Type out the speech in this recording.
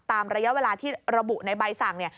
ระยะเวลาที่ระบุในใบสั่งเนี่ย